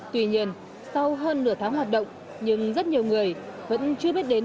tuy nhiên sau hơn nửa tháng hoạt động nhưng rất nhiều người vẫn chưa biết đến